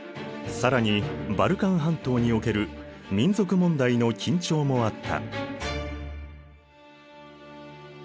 更にバルカン半島における民族問題の緊張もあった。